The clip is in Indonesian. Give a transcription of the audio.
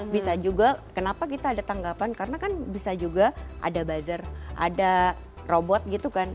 bisa juga kenapa kita ada tanggapan karena kan bisa juga ada buzzer ada robot gitu kan